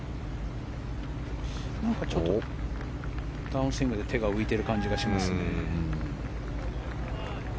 ダウンスイングで手が浮いている感じがしますね。